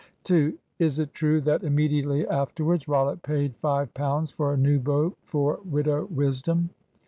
"2. Is it true that immediately afterwards Rollitt paid five pounds for a new boat for Widow Wisdom?